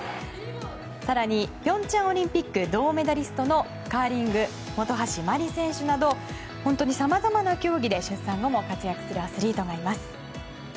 更に、平昌オリンピック銅メダリストのカーリング、本橋麻里選手など本当にさまざまな競技で出産後も活躍するアスリートがいます。